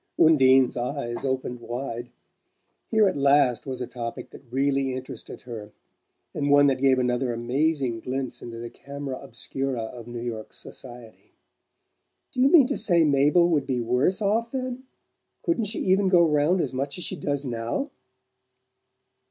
Undine's eyes opened wide. Here at last was a topic that really interested her, and one that gave another amazing glimpse into the camera obscura of New York society. "Do you mean to say Mabel would be worse off, then? Couldn't she even go round as much as she does now?"